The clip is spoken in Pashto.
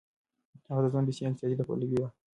هغه د ځان بسيا اقتصاد پلوی و.